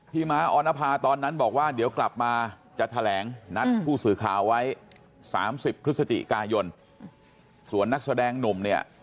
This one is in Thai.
ม้าออนภาตอนนั้นบอกว่าเดี๋ยวกลับมาจะแถลงนัดผู้สื่อข่าวไว้๓๐พฤศจิกายนส่วนนักแสดงหนุ่มเนี่ย